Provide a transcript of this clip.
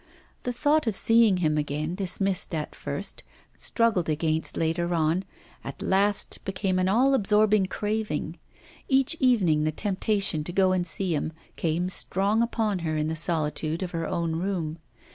The thought of seeing him again, dismissed at first, struggled against later on, at last became an all absorbing craving. Each evening the temptation to go and see him came strong upon her in the solitude of her own room.